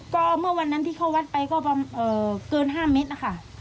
ก็เมื่อวันนั้นที่เข้าวัดไปก็เกิน๕เมตรนะคะ